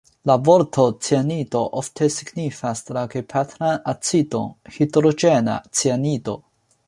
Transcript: La vorto "cianido" ofte signifas la gepatran acidon, hidrogena cianido.